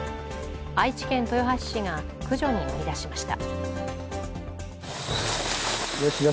愛知県豊橋市が駆除に乗り出しました。